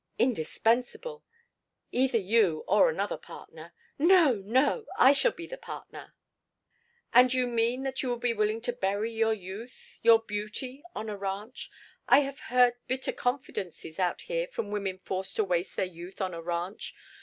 "Indispensable. Either you or another partner." "No! No! I shall be the partner " "And you mean that you would be willing to bury your youth, your beauty, on a ranch? I have heard bitter confidences out here from women forced to waste their youth on a ranch.